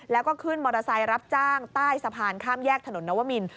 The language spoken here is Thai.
แล้วก็ขึ้นมอเตอร์ไซค์รับจ้างใต้สะพานข้ามแยกถนนนวมิน